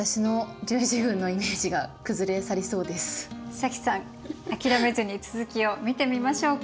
早紀さん諦めずに続きを見てみましょうか。